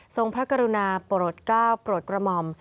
ทรงพระกรุณาปรตเก้าปรตกรมหม